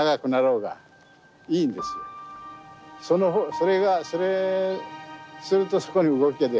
それがそれするとそこに動きが出るんです。